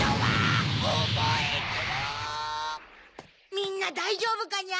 みんなだいじょうぶかニャ？